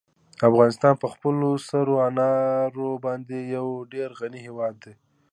افغانستان په خپلو سرو انارو باندې یو ډېر غني هېواد دی.